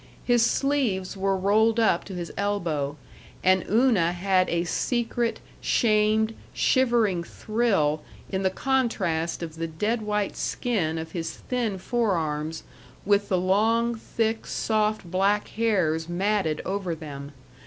His sleeves were rolled up to his elbow, and Una had a secret, shamed, shivering thrill in the contrast of the dead white skin of his thin forearms with the long, thick, soft, black hairs matted over them.